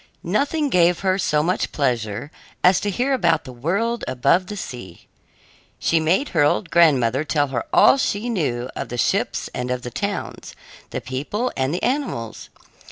Nothing gave her so much pleasure as to hear about the world above the sea. She made her old grandmother tell her all she knew of the ships and of the towns, the people and the animals.